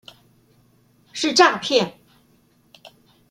是詐騙